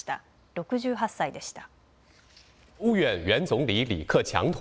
６８歳でした。